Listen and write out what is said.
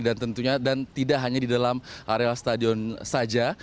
dan tentunya dan tidak hanya di dalam areal stadion saja